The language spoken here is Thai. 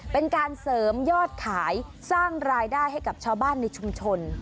เป็นการเสริมยอดขายสร้างรายได้ให้กับชาวบ้านในชุมชน